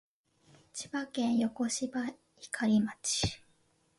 千葉県横芝光町